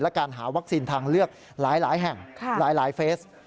และการหาวัคซีนทางเลือกหลายแห่งหลายเฟส